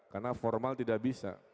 karena formal tidak bisa